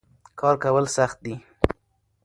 کار کول سخت دي.